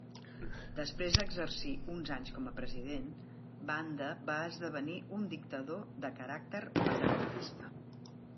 Després d'exercir uns anys com a president, Banda va esdevenir un dictador de caràcter paternalista.